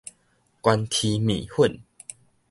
懸黐麵粉